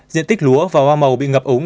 diện tích lúa và hoa màu bị ngập ống